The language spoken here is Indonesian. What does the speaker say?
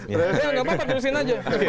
saya nggak apa apa terusin aja